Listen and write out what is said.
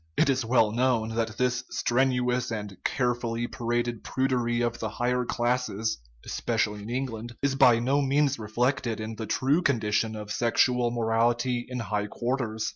It is well known that this strenuous and carefully paraded prudery of the higher classes (especially in England) is by no means reflected in the true condition of sexual morality in high quarters.